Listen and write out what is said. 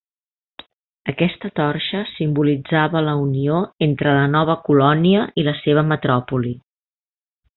Aquesta torxa simbolitzava la unió entre la nova colònia i la seva metròpoli.